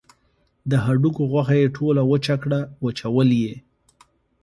د هډوکو غوښه یې ټوله وچه کړه وچول یې.